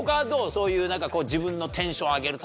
そういう自分のテンション上げるためとか。